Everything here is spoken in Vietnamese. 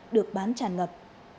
được bán tràn ngập